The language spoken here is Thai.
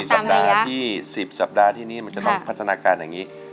สัปดาห์ที่๑๐สัปดาห์ที่นี้มันจะต้องพัฒนาการอย่างนี้